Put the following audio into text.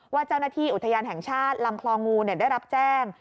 ว่าเจ้าหน้าที่อุทยานแห่งชาติลำคลองงูได้รับแจ้ง